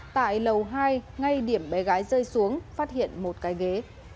tại lầu hai ngay điểm bé gái rơi xuống phát hiện một cái ghế